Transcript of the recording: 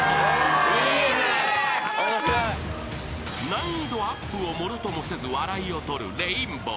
［難易度アップをものともせず笑いを取るレインボー］